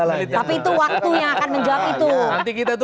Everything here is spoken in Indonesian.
tapi itu waktu yang akan menjawab itu